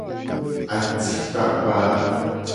Atikpakpa.